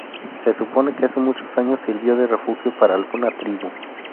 Se supone que hace muchos años sirvió de refugio para alguna tribu.